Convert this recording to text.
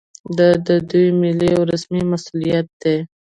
دا د دوی ملي او رسمي مسوولیت دی